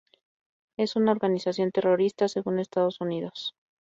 Es una organización terrorista según Estados Unidos.